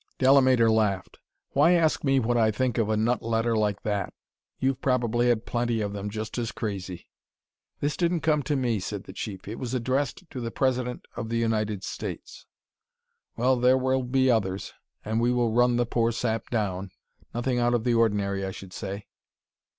Delamater laughed. "Why ask me what I think of a nut letter like that. You've had plenty of them just as crazy." "This didn't come to me," said the Chief; "it was addressed to the President of the United States." "Well, there will be others, and we will run the poor sap down. Nothing out of the ordinary I should say."